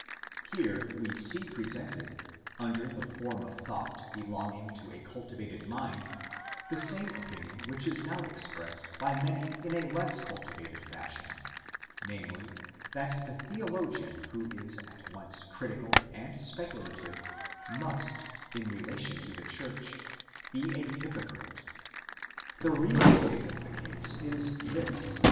} Here we see presented, under the form of thought belonging to a cultivated mind, the same opinion which is now expressed by many in a less cultivated fashion : namely, that the theologian who is at once critical and speculative, must in relation to the church be a hypocrite. The real state of the case is this.